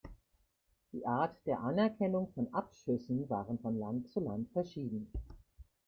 Die Art der Anerkennung von Abschüssen waren von Land zu Land verschieden.